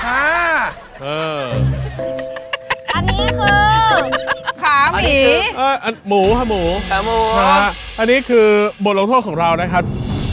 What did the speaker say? อันนี้คือขาหมีหมูค่ะหมูขาหมูอันนี้คือบทลงโทษของเรานะครับ